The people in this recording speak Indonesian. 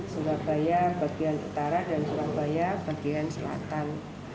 surabaya bagian utara dan surabaya bagian selatan